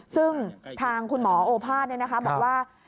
ซึ่งทางคุณหมอโอภาษบอกว่า